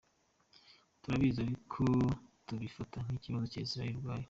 Turabizi ariko tubifata nk’ikibazo cya Israel ubwayo.